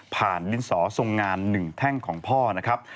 ผ่านลินสอทรงงานหนึ่งแท่งของพ่อนะครับ